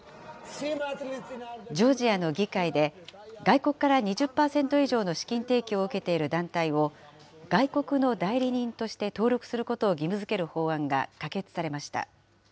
ジョージアの議会で、外国から２０％以上の資金提供を受けている団体を、外国の代理人として登録することを義務づける法案が可決されました。